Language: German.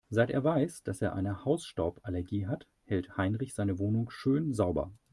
Seit er weiß, dass er eine Hausstauballergie hat, hält Heinrich seine Wohnung schön sauber.